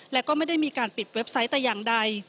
และก็ไม่ได้มีการปิดเว็บไซต์แต่อย่างใด